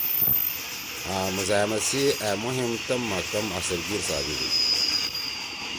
آں مزاحمت سی أ مُہم تَم ما کم اثرگیِر ثابت ہی۔